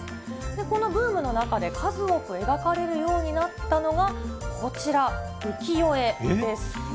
このブームの中で、数多く描かれることになったのが、こちら、浮世絵です。